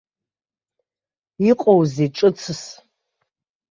Иҟоузеи ҿыцс?